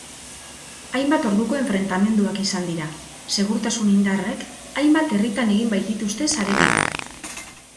Hainbat orduko enfrentamenduak izan dira, segurtasun indarrek hainbat herritan egin baitituzte sarekadak.